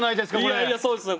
いやいやそうですね